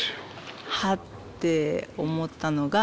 ハッて思ったのが。